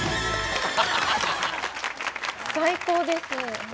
最高ですね。